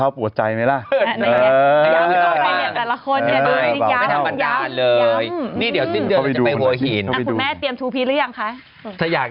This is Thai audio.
ถ้าอยากให้เองก็ขอเย็นเอง